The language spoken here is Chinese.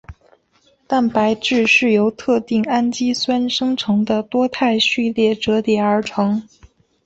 蛋白质是由特定氨基酸生成的多肽序列折叠而成。